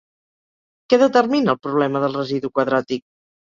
Què determina el problema del residu quadràtic?